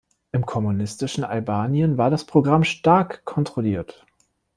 Im kommunistischen Albanien war das Programm stark kontrolliert.